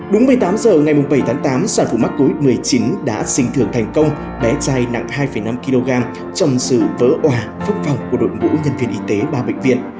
đúng một mươi tám h ngày bảy tháng tám sản phụ mắc covid một mươi chín đã sinh thường thành công bé trai nặng hai năm kg trong sự vỡ hòa phước phòng của đội ngũ nhân viên y tế ba bệnh viện